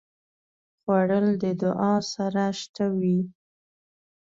خوړل د دعا سره شته وي